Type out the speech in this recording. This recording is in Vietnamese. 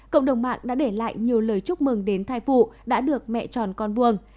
cộng đồng mạng đã để lại nhiều lời chúc mừng đến thai phụ đã được mẹ tròn con vuông